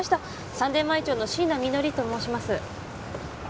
サンデー毎朝の椎名実梨と申します